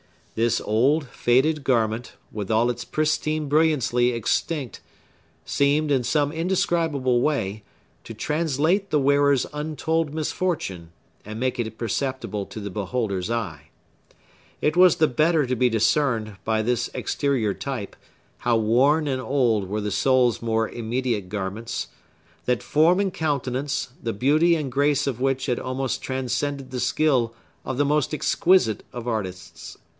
This old, faded garment, with all its pristine brilliancy extinct, seemed, in some indescribable way, to translate the wearer's untold misfortune, and make it perceptible to the beholder's eye. It was the better to be discerned, by this exterior type, how worn and old were the soul's more immediate garments; that form and countenance, the beauty and grace of which had almost transcended the skill of the most exquisite of artists.